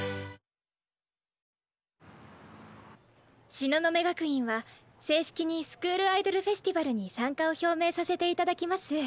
東雲学院は正式にスクールアイドルフェスティバルに参加を表名させて頂きます。